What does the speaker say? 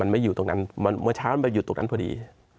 เมื่อเช้ามันไปอยู่ตรงนั้นพอดี